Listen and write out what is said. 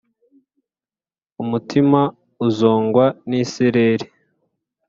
Umutima uzongwa nisereri,